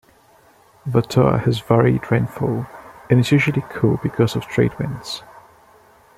Vatoa has varied rainfall and is usually cool because of trade winds.